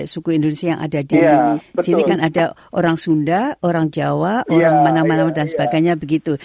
suku indonesia yang ada di sini kan ada orang sunda orang jawa orang mana mana dan sebagainya begitu